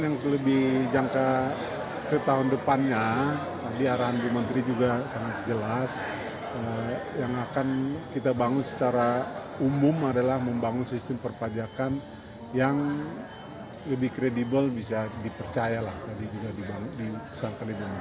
sehingga patuh kepada pajak itu seyogengnya tidak terlalu sulit pengawasannya lebih transparan